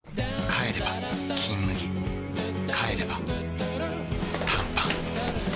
帰れば「金麦」帰れば短パン